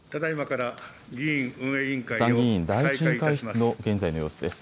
参議院第１委員会室の現在の様子です。